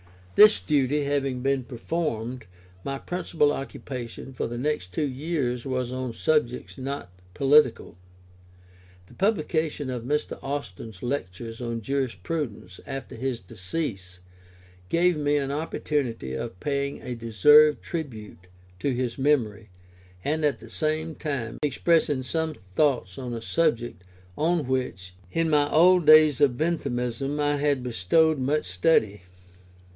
This duty having been performed, my principal occupation for the next two years was on subjects not political. The publication of Mr. Austin's Lectures on Jurisprudence after his decease, gave me an opportunity of paying a deserved tribute to his memory, and at the same time expressing some thoughts on a subject on which, in my old days of Benthamism, I had bestowed much study.